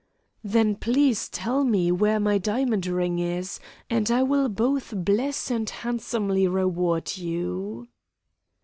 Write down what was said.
"Then please tell me where my diamond ring is, and I will both bless and handsomely reward you."